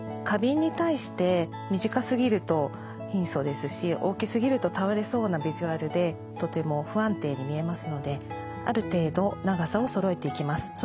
花瓶に対して短すぎると貧相ですし大きすぎると倒れそうなビジュアルでとても不安定に見えますのである程度長さをそろえていきます。